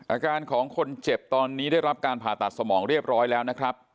อาการของคนเจ็บตอนนี้ได้รับการผ่าตัดสมองเรียบร้อยแล้วนะครับ